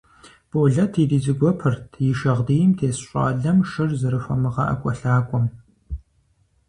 Болэт иризэгуэпырт и шагъдийм тес щӀалэм шыр зэрыхуэмыгъэӀэкӀуэлъакӀуэм.